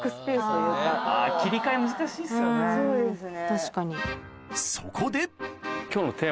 確かに。